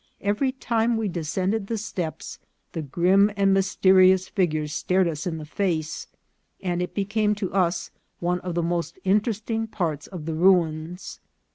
Every time we descended the steps the grim and mysterious figures stared us in the face, and it became to us one of the most interesting parts of the ruins.